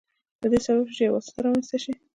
د دې سبب شو چې یو واسطه رامنځته شي.